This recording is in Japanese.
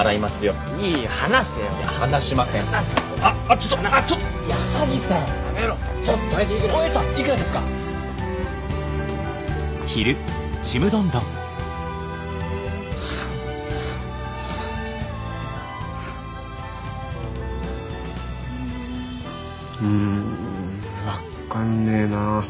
うん分っかんねえな。